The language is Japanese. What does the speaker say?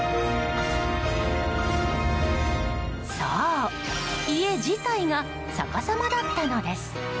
そう、家自体が逆さまだったのです。